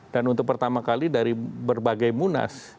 dan untuk pertama kali dari berbagai munas